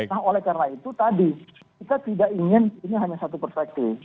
nah oleh karena itu tadi kita tidak ingin ini hanya satu perspektif